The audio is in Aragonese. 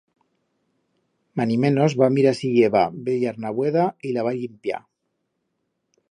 Manimenos, va mirar si i heba bella arna vueda y la va llimpiar.